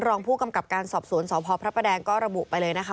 รองผู้กำกับการสอบสวนสมภพพระแปดแดง